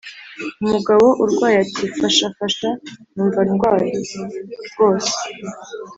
umugabo urwaye ati: 'fasha, fasha, numva ndwaye rwose.'